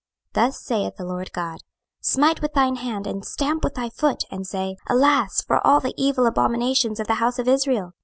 26:006:011 Thus saith the Lord GOD; Smite with thine hand, and stamp with thy foot, and say, Alas for all the evil abominations of the house of Israel!